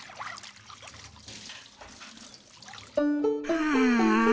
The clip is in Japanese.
はあ。